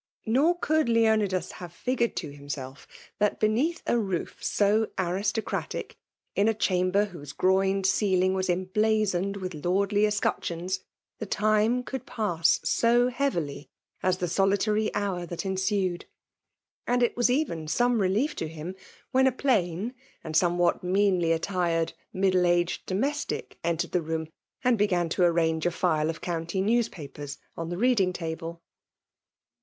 Nor could Leonidas have ^figured to himsdf llialt beneafli a roof so aristocratic, in acham iierwlKMe gromed ceiling was «mUasoned'wittL lordly escutcheons, Ihe time could pass so iumSy asihe solitary hour that ensued; and it was even some relief to him wiien a i^in and somewhat meanly attired middle aged do flicvtic entered ike nom and 'began to arrange rn Sh of county mwspaqpers m ^e staffing table.